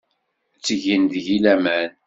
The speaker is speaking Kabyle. Ttgen deg-i laman.